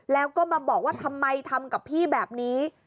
แล้วก็มาบอกว่าทำไมทำกับพี่แบบนี้